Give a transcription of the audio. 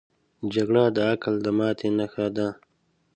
جګړه د عقل د ماتې نښه ده